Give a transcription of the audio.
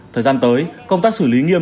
thời gian tới công tác xử lý nghiêm